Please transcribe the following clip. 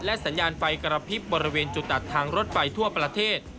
สัญญาณไฟกระพริบบริเวณจุดตัดทางรถไฟทั่วประเทศ